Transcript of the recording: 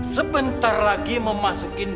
sebentar lagi memasukin